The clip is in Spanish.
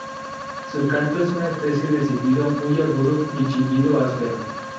Su canto es una especie de silbido muy agudo y chillido áspero.